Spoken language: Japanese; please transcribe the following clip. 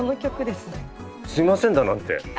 すいませんだなんて。